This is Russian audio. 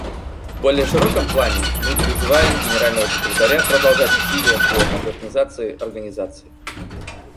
В более широком плане, мы призываем Генерального секретаря продолжать усилия по модернизации Организации.